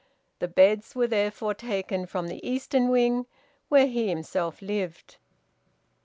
The beds were therefore taken from the eastern wing, where he himself lived.